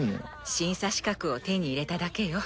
審査資格を手に入れただけよ。